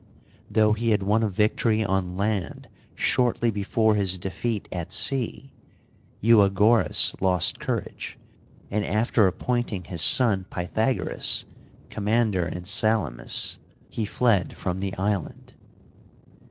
Though he had won a victory on land shortly before his defeat at sea, Euagoras lost courage, and, after appointing his son Pnytagoras commander in Salamis, he fled from the island.